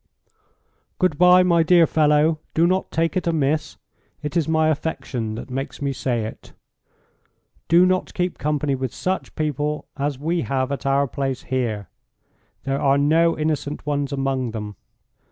"Good bye, my dear fellow; do not take it amiss. It is my affection that makes me say it. Do not keep company with such people as we have at our place here. There are no innocent ones among them.